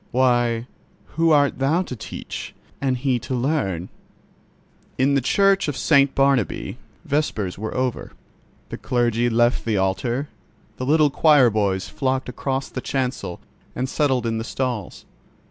Why, who art thou to teach and He to learn?" In the Church of St. Barnabķ vespers were over; the clergy left the altar; the little choir boys flocked across the chancel and settled in the stalls.